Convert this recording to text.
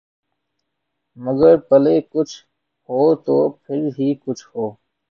مگر پلے کچھ ہو تو پھر ہی کچھ ہو۔